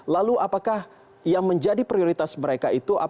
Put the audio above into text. lalu apakah yang menjadi prioritas mereka itu